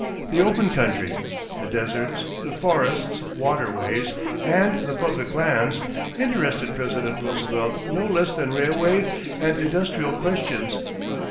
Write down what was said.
= The open country the deserts, the forests, waterways, and the public lands interested President Roosevelt no less than railway and industrial questions.